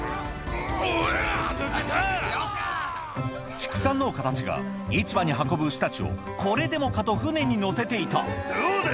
畜産農家たちが市場に運ぶ牛たちをこれでもかと船に載せていたどうだ！